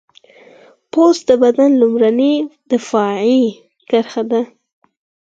پوست د بدن لومړنۍ دفاعي کرښه ده.